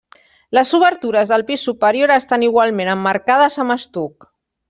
Les obertures del pis superior estan igualment emmarcades amb estuc.